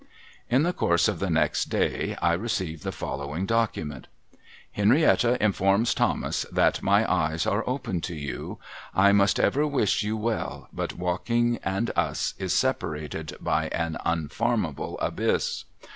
In the course of the next day I received the following document :' Henrietta informs Thomas that my eyes are open to you. I must ever wish you well, but walking and us is separated by an unfarmable abyss.